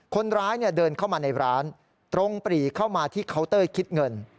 คนร้ายเดินเข้ามาในร้านตรงปรีเข้ามาที่เคาน์เตอร์คิดเงิน